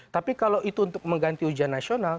tapi kalau itu untuk mengganti ujian nasional